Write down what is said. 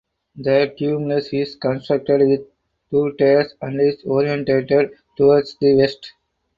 The tumulus is constructed with two tiers and is orientated towards the west.